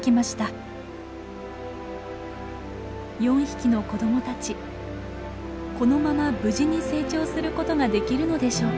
４匹の子どもたちこのまま無事に成長することができるのでしょうか？